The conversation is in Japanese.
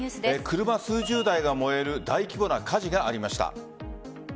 車数十台が燃える大規模な火事がありました。